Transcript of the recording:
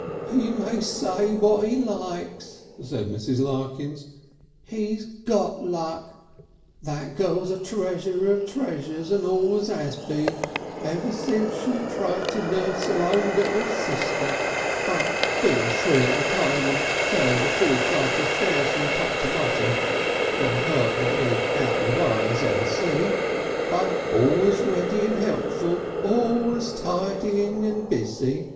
"He may say what he likes," said Mrs. Larkins, "he's got luck. That girl's a treasure of treasures, and always has been ever since she tried to nurse her own little sister, being but three at the time, and fell the full flight of stairs from top to bottom, no hurt that any outward eye 'as even seen, but always ready and helpful, always tidying and busy.